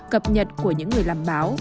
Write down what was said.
cập nhật của những người làm báo